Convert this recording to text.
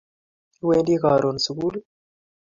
Iwendi karoon sugul?